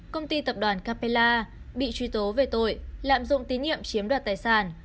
công ty tập đoàn capella bị truy tố về tội lạm dụng tín nhiệm chiếm đoạt tài sản